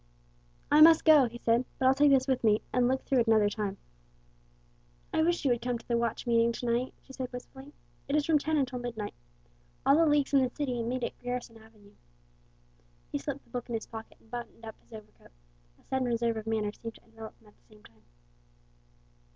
"I must go," he said; "but I'll take this with me and look through it another time." "I wish you would come to the watch meeting to night," she said, wistfully. "It is from ten until midnight. All the Leagues in the city meet at Garrison Avenue." He slipped the book in his pocket, and buttoned up his overcoat. A sudden reserve of manner seemed to envelop him at the same time.